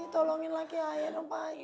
tolongin laki laki ayah dong pak haji